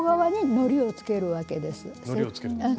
のりをつけるんですね。